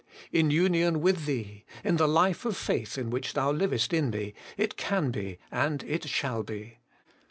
In union with Thee, in the life of faith in which Thou livest in me, it can be and it shall be.